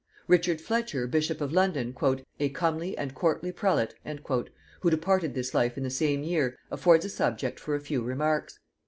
Richard Fletcher bishop of London, "a comely and courtly prelate," who departed this life in the same year, affords a subject for a few remarks.